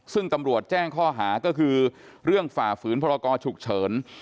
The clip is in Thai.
ซึ่งตำรวจแจ้งข้อหาก็คือเรื่องฝ่าฝืนพรกรฉุกเฉิน